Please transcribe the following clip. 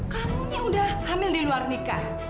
kamu ini udah hamil di luar nikah